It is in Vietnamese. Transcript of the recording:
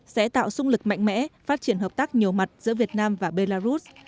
sẽ tạo sung lực mạnh mẽ phát triển hợp tác nhiều mặt giữa việt nam và belarus